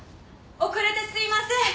遅れてすいません！